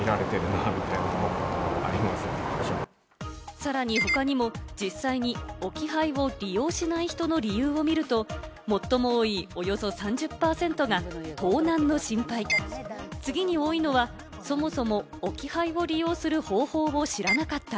さらに他にも、実際に置き配を利用しない人の理由を見ると、最も多い、およそ３０％が盗難の心配、次に多いのはそもそも置き配を利用する方法を知らなかった。